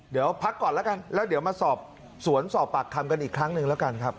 เดี๋ยวพักก่อนแล้วกันแล้วเดี๋ยวมาสอบสวนสอบปากคำกันอีกครั้งหนึ่งแล้วกันครับ